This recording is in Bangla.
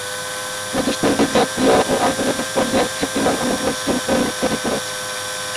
প্রতিষ্ঠানটি জাতীয় ও আন্তর্জাতিক পর্যায়ের খ্যাতিমান অনেক মুসলিম পণ্ডিত তৈরি করেছে।